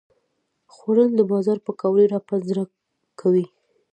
خوړل د بازار پکوړې راپه زړه کوي